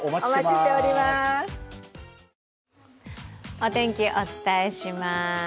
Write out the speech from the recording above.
お天気、お伝えします。